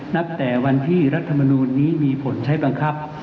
นับแต่วันที่รัฐมนูลนี้มีผลใช้บังคับ